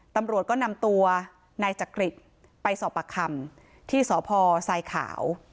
ตำรวจก็นำตัวนายจักริตไปสอบปากคำที่สพทรายขาว